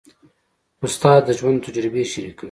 استاد د ژوند تجربې شریکوي.